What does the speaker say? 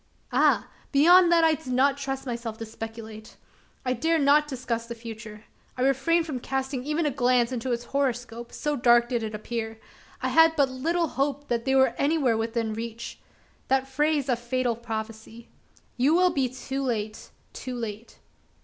Ah! beyond that I did not trust myself to speculate. I dared not discuss the future. I refrained from casting even a glance into its horoscope so dark did it appear. I had but little hope that they were anywhere within reach. That phrase of fatal prophecy, "You will be too late too late!"